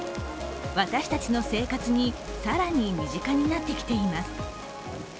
私たちの生活に更に身近になってきています。